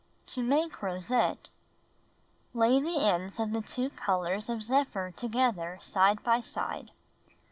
To Make Rosette Lay the ends of the two colors of zephyr together side by side.